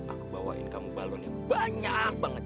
aku bawain kamu balon yang banyak banget